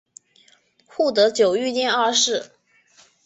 护得久御殿二世。